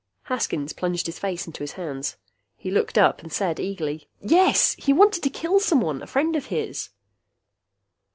Haskins plunged his face into his hands. He looked up and said eagerly, "Yes! He wanted to kill someone! A friend of his!"